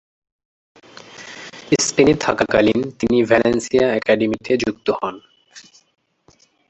স্পেনে থাকাকালীন তিনি ভ্যালেন্সিয়া একাডেমীতে যুক্ত হন।